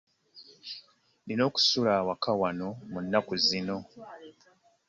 Nnina okusula awaka wano mu nnaku zino.